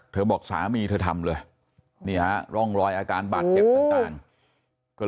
เธอบอกสามีนี่เธอทำเลยร่องรอยอาการบัตรเห็นต่าง